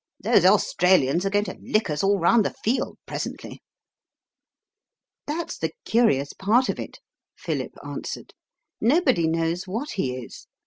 Those Australians are going to lick us all round the field presently." "That's the curious part of it," Philip answered. "Nobody knows what he is.